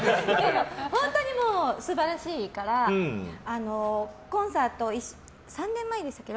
本当に素晴らしいからコンサート、３年前でしたっけ